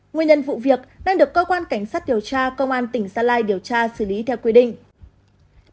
nguyên nhân vụ việc đang được cơ quan cảnh sát điều tra công an tỉnh gia lai điều tra xử lý theo quy định